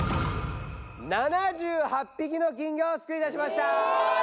７８ぴきの金魚をすくいだしました！